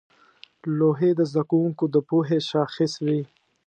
لوحې د زده کوونکو د پوهې شاخص وې.